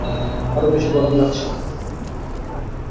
আরো বেশি গরম লাগছিলো।